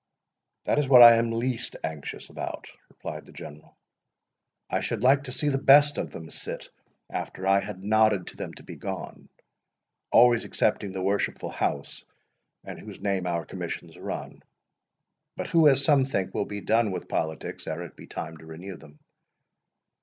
"That is what I am least anxious about," replied the General; "I should like to see the best of them sit after I had nodded to them to begone— always excepting the worshipful House, in whose name our commissions run; but who, as some think, will be done with politics ere it be time to renew them.